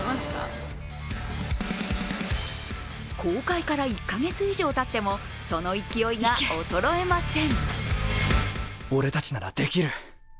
公開から１か月以上たってもその勢いが衰えません。